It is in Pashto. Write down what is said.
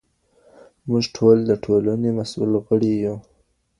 موږ ټول د ټولني مسوول غړي يو.